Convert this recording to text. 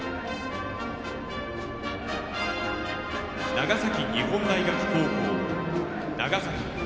長崎日本大学高校・長崎。